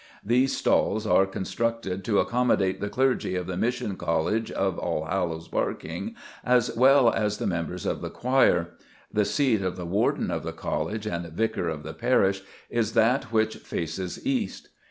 These stalls are constructed to accommodate the clergy of the Mission College of Allhallows Barking as well as the members of the choir. The seat of the Warden of the College and Vicar of the parish is that which faces east.